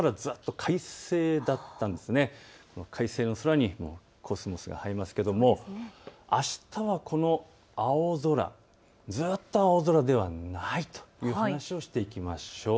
快晴の空にコスモスが映えますけどもあしたはこの青空、ずっと青空ではないという話をしていきましょう。